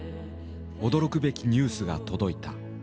驚くべきニュースが届いた。